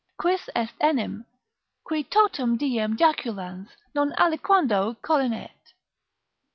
"Quis est enim, qui totum diem jaculans non aliquando collineet?"